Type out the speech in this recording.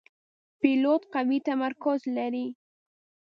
پیلوټ قوي تمرکز لري.